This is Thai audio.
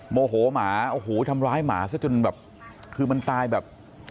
โมโหหมาโอ้โหทำร้ายหมาซะจนแบบคือมันตายแบบ